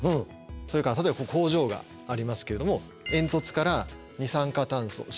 それから例えば工場がありますけれども煙突から二酸化炭素